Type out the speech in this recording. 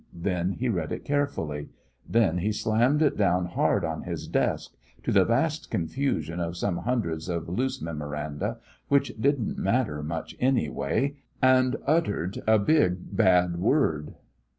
Then he read it carefully. Then he slammed it down hard on his desk to the vast confusion of some hundreds of loose memoranda, which didn't matter much, anyway and uttered a big, bad word.